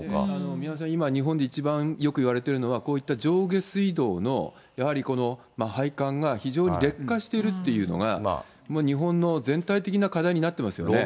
宮根さん、日本で一番よくいわれてるのが、こういった上下水道の、やはりこの配管が非常に劣化しているというのが、もう日本の全体的な課題になってますよね。